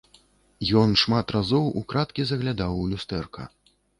Ён шмат разоў украдкі заглядаў у люстэрка.